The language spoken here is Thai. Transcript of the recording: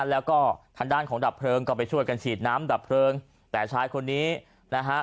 แล้วก็ทางด้านของดับเพลิงก็ไปช่วยกันฉีดน้ำดับเพลิงแต่ชายคนนี้นะฮะ